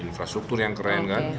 infrastruktur yang keren kan